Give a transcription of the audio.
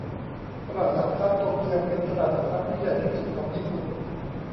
ตลาดหลักทรัพย์โตเกียวเป็นตลาดหลักทรัพย์ที่ใหญ่ที่สุดของญี่ปุ่น